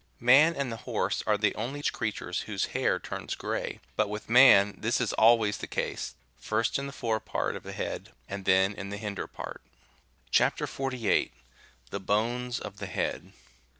Man and the horse are the only creatures whose hair turns grey ; but with man this is always the case, first in the fore part of the head, and then in the hinder part. CHAP. 48. THE BONES OF THE HEAD.